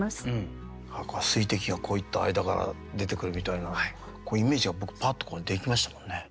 水滴がこういった間から出てくるみたいなイメージが僕パッとできましたもんね。